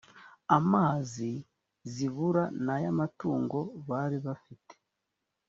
amazi zibura n ay amatungo bari bafite